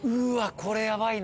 これやばいな。